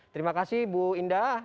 terima kasih bu indah